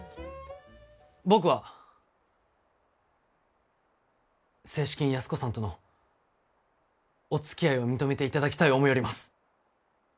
僕は正式に安子さんとのおつきあいを認めていただきたい思ようります。